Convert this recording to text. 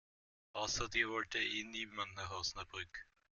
Außer dir wollte eh niemand nach Osnabrück.